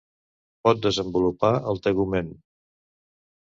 Pot desenvolupar el tegument.